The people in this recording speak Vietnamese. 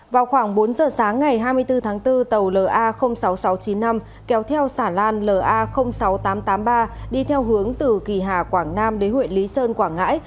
vào khoảng bốn giờ sáng ngày hai mươi bốn tháng bốn tàu la sáu nghìn sáu trăm chín mươi năm kéo theo sản lan la sáu nghìn tám trăm tám mươi ba đi theo hướng từ kỳ hà quảng nam đến huyện lý sơn quảng ngãi